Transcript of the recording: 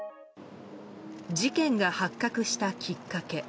事件が発覚したきっかけ。